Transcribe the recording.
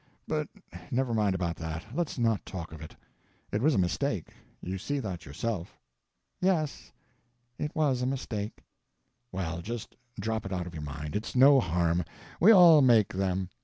But never mind about that; let's not talk of it. It was a mistake; you see that yourself." "Yes—it was a mistake." "Well, just drop it out of your mind; it's no harm; we all make them.